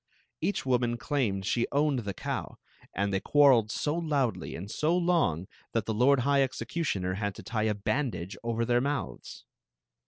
Each woni»i clahned she owned the cow, and they quar reled so loudly and so long that the lord high execu tioner had to tie a bsMfidage over thek mouths.